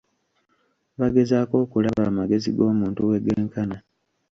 Bagezaako okulaba amagezi g'omuntu we genkana .